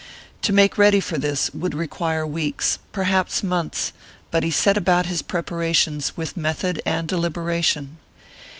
To make ready for this would require weeks, perhaps months, but he set about his preparations with method and deliberation.